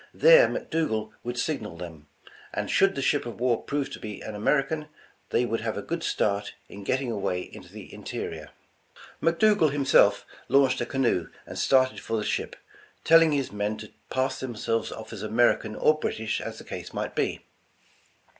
There McDougal would signal them, and should the ship of war prove to be an American, they would have a good start in getting away into the interior. McDougal, himself, launched a canoe and started for the ship, telling his men to pass themselves off as American or British as the case might be.